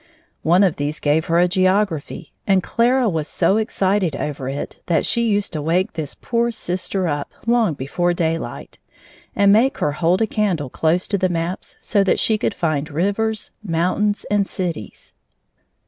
One of these gave her a geography, and Clara was so excited over it that she used to wake this poor sister up long before daylight, and make her hold a candle close to the maps so that she could find rivers, mountains, and cities.